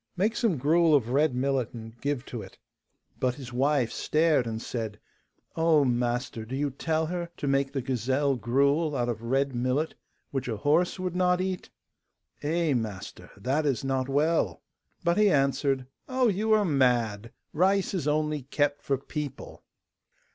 Make some gruel of red millet, and give to it.' But his wife stared and said: 'Oh, master, do you tell her to make the gazelle gruel out of red millet, which a horse would not eat? Eh, master, that is not well.' But he answered, 'Oh, you are mad! Rice is only kept for people.